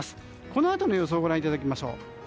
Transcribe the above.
このあとの予想をご覧いただきましょう。